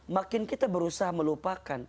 makin kita berusaha melupakan